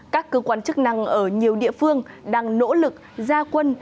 các cơ quan chức năng ở nhiều địa phương đang nỗ lực ra quân